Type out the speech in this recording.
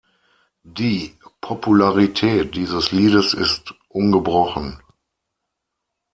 Die Popularität dieses Liedes ist ungebrochen.